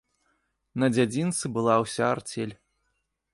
На дзядзінцы была ўся арцель.